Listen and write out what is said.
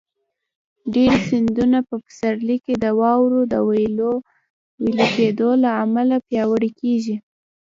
ډېری سیندونه په پسرلي کې د واورو د وېلې کېدو له امله پیاوړي کېږي.